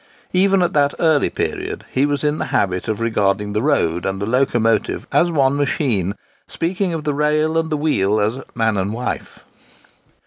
Even at that early period, he was in the habit of regarding the road and the locomotive as one machine, speaking of the rail and the wheel as "man and wife."